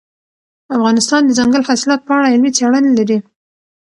افغانستان د دځنګل حاصلات په اړه علمي څېړنې لري.